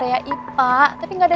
yang berniaga warna